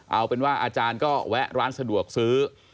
เอาเป็นว่าอาจารย์ก็แวะร้านสะดวกซื้อ